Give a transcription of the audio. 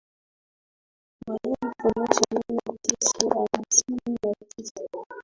Wa elfu moja mia tisa hamsini na tisa